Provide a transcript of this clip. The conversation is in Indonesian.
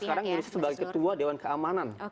betul karena sekarang indonesia sebagai ketua dewan keamanan